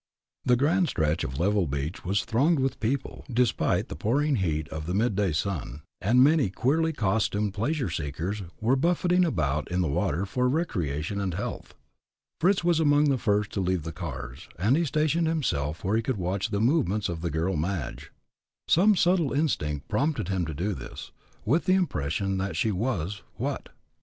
The grand stretch of level beach was thronged with people, despite the pouring heat of the midday sun, and many queerly costumed pleasure seekers were buffeting about in the water for recreation and health. Fritz was among the first to leave the cars, and he stationed himself where he could watch the movements of the girl, Madge. Some subtle instinct prompted him to do this, with the impression that she was what?